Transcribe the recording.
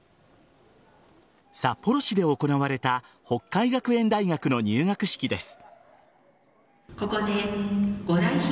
札幌市で行われた北海学園大学の入学式です。